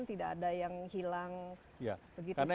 tidak ada yang hilang begitu saja